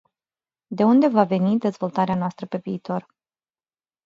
De unde va veni dezvoltarea noastră pe viitor?